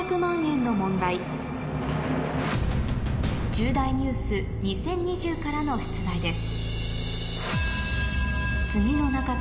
『重大ニュース２０２０』からの出題です